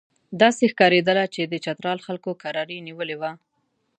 داسې ښکارېدله چې د چترال خلکو کراري نیولې وه.